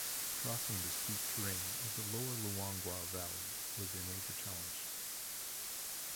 Crossing the steep terrain of the lower Luangwa valley was a major challenge.